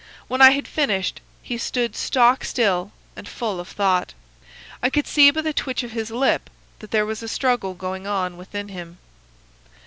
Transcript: When I had finished he stood stock still and full of thought. I could see by the twitch of his lip that there was a struggle going on within him.